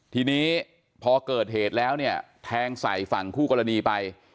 ทีนี้พอเกิดเหตุแล้วเนี่ยแทงใส่ฝั่งคู่กรณีไป